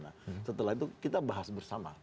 nah setelah itu kita bahas bersama